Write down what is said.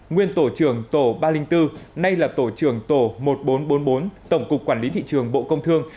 nguyên tổ trưởng tổ ba trăm linh bốn nay là tổ trưởng tổ một nghìn bốn trăm bốn mươi bốn tổng cục quản lý thị trường bộ công thương